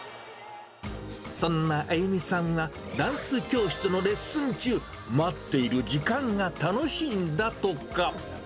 そんなあゆみさんはダンス教室のレッスン中、待っている時間が楽しいんだとか。